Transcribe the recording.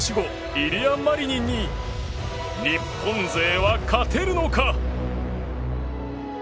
イリア・マリニンに日本勢は勝てるのか。